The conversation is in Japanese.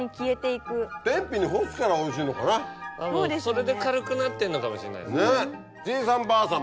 それで軽くなってんのかもしんないですね。